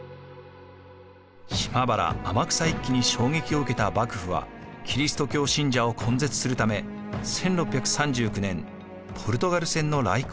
島原・天草一揆に衝撃を受けた幕府はキリスト教信者を根絶するため１６３９年ポルトガル船の来航を禁止しました。